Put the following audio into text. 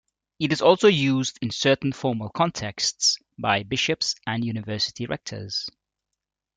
It is also used in certain formal contexts by bishops and university rectors.